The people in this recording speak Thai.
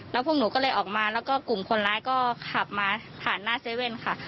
แล้วพวกหนูก็เลยออกมาแล้วก็กลุ่มคนร้ายก็ขับมาผ่านหน้าเซเว่นค่ะ